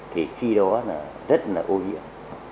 thì khi đó là rất là ô nhiễm